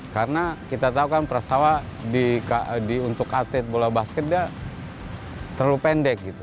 karena kita tahu kan prastawa untuk atlet bola basket dia terlalu pendek gitu